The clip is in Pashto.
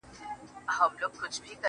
چي لــه ژړا سره خبـري كوم.